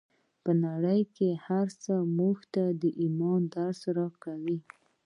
په نړۍ کې هر څه موږ ته د ایمان درس راکوي